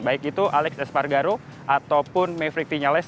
baik itu alex espargaro ataupun maverick vinales